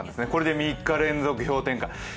これで３日連続氷点下